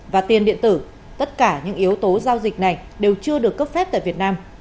và tiền điện tử tất cả những yếu tố giao dịch này đều chưa được cấp phép tại việt nam